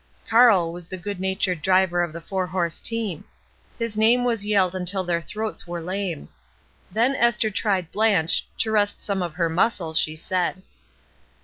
'^ ''Karl" was the good natured driver of the four horse team. His name was yelled until their throats were lame. Then Esther tried "Blanche/' to rest some of her muscles, she said.